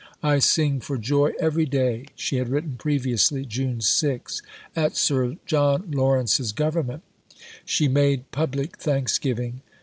"I sing for joy every day," she had written previously (June 6), "at Sir John Lawrence's Government." She made public thanksgiving.